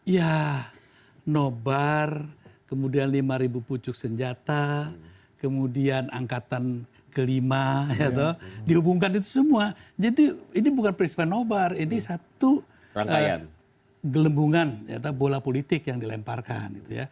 ya nobar kemudian lima pucuk senjata kemudian angkatan kelima dihubungkan itu semua jadi ini bukan peristiwa nobar ini satu gelembungan bola politik yang dilemparkan